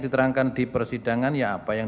diterangkan di persidangan ya apa yang